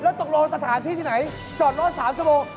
แล้วตกลงสถานที่ที่ไหนจอดรถ๓ชั่วโมง